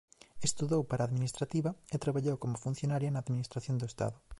Estudou para administrativa e traballou como funcionaria na Administración do Estado.